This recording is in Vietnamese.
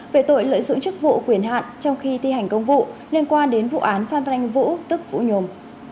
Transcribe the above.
về tội lợi dụng chức vụ quyền hạn trong khi thi hành công vụ liên quan đến vụ án phan ranh vũ tức vũ nhồm